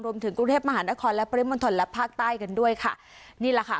รวมถึงกรุงเทพมหานครและปริมณฑลและภาคใต้กันด้วยค่ะนี่แหละค่ะ